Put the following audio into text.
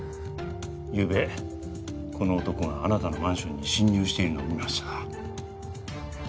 ゆうべこの男があなたのマンションに侵入しているのを見ました。